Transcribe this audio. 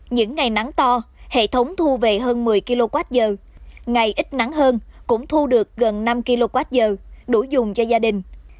những ngày nắng to hệ thống thu về hơn một mươi kwh ngày ít nắng hơn cũng thu được gần năm kwh đủ dùng cho gia đình